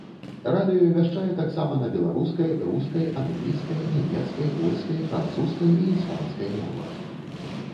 Радыё вяшчае таксама на беларускай, рускай, англійскай, нямецкай, польскай, французскай і іспанскай мовах.